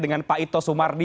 dengan pak ito sumardi